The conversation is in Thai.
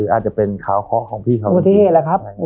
อาจจะเป็นเฉาของพี่เฉากิ๊ว